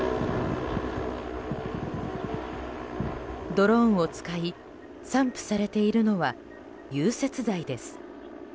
ドローンを使い散布されているのは融雪剤です。